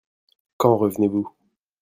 Quand revenez-vous ?